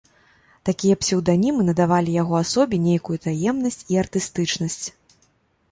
Такія псеўданімы надавалі яго асобе нейкую таемнасць і артыстычнасць.